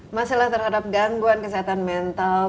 masalah terhadap gangguan kesehatan mental